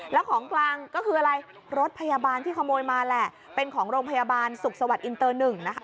แล้วของกลางก็คืออะไรรถพยาบาลที่ขโมยมาแหละเป็นของโรงพยาบาลสุขสวัสดิอินเตอร์หนึ่งนะคะ